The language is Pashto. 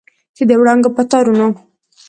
چې د وړانګو په تارونو